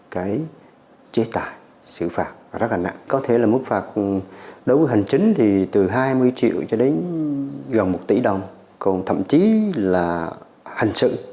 cái chế tài xử phạt rất là nặng có thể là mức phạt đối với hành chính thì từ hai mươi triệu cho đến gần một tỷ đồng còn thậm chí là hành sự